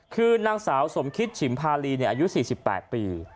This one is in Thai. คือนางสาวสมคิดฉิมพารีเนี่ยอายุสี่สิบแปดปี